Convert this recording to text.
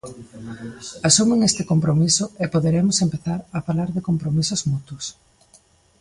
Asuman este compromiso e poderemos empezar a falar de compromisos mutuos.